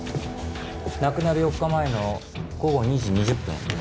亡くなる４日前の午後２時２０分。